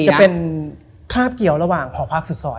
จะเป็นคราบเกี่ยวระหว่างหอพักสุดซอย